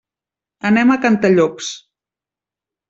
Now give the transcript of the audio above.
Anem a Cantallops.